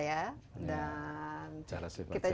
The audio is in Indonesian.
jalan simpan jaya baik